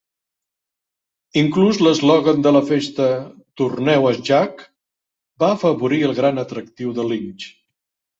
Inclús l'eslògan de la festa "Torneu a Jack" va afavorir el gran atractiu de Lynch.